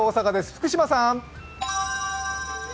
福島さん。